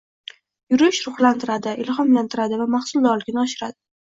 Yurish ruhlantiradi, ilhomlantiradi va mahsuldorlikni oshiradi